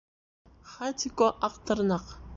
ХАТИКО-АҠТЫРНАҠ